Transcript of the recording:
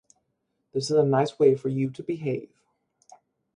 This is a nice way for you to behave.